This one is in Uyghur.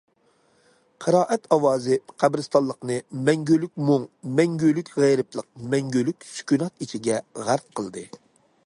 قىرائەت ئاۋازى قەبرىستانلىقنى مەڭگۈلۈك مۇڭ، مەڭگۈلۈك غېرىبلىق، مەڭگۈلۈك سۈكۈنات ئىچىگە غەرق قىلدى.